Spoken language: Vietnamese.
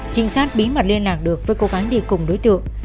trình sát bí mật liên lạc được với cô gái đi cùng đối tượng